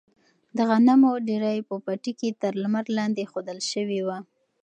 د غنمو ډیرۍ په پټي کې تر لمر لاندې ایښودل شوې وه.